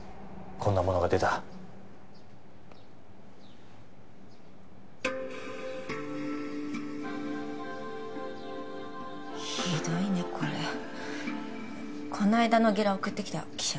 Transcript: こんなものが出たひどいねこれこないだのゲラ送ってきた記者？